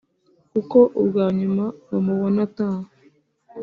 kuko ubwa nyuma bamubona ataha